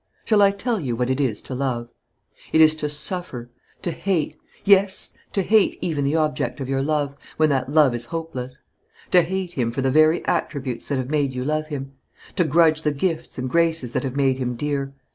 Shall I tell you what it is to love? It is to suffer, to hate, yes, to hate even the object of your love, when that love is hopeless; to hate him for the very attributes that have made you love him; to grudge the gifts and graces that have made him dear.